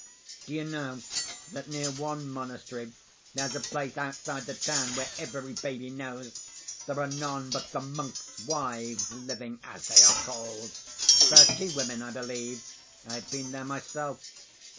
Do you know that near one monastery there's a place outside the town where every baby knows there are none but 'the monks' wives' living, as they are called. Thirty women, I believe. I have been there myself.